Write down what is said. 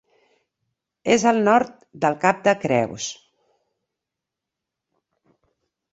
És al nord del Cap de Creus.